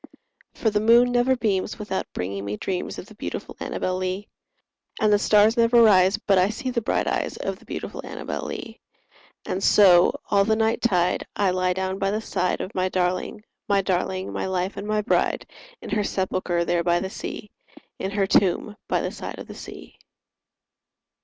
For the moon never beams without bringing me dreams Of the beautiful Annabel Lee; And the stars never rise but I see the bright eyes Of the beautiful Annabel Lee; And so, all the night tide, I lie down by the side Of my darling, my darling, my life and my bride, In her sepulchre there by the sea— In her tomb by the side of the sea.